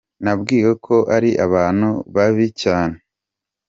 Nabwiwe ko ari abantu babi cyane.